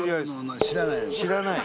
知らない。